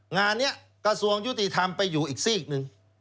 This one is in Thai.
งานนี้กระทรวงยุติธรรมไปอยู่อีกซีกหนึ่ง